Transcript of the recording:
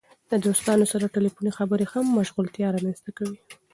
د دوستانو سره ټیلیفوني خبرې هم مشغولتیا رامنځته کوي.